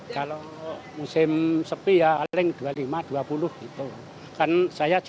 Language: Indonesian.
kalau harian itu ya saya mencapai dua puluh kilo atau tiga puluh kilo kalau musim ramai